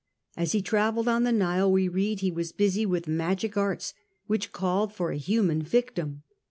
As he travelled on the Nile, we read, he was busy with magic arts which called for a human victim.